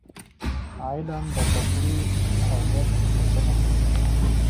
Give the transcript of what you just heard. علم د کلتوري هویت ساتنه کوي.